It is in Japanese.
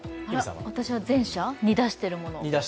私は前者、煮出してるもの。